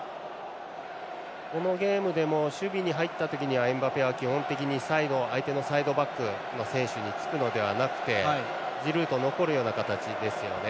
このゲームでも守備に入った時にはエムバペは基本的に相手のサイドバックの選手につくのではなくてジルーと残るような形ですね。